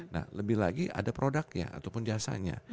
nah lebih lagi ada produknya ataupun jasanya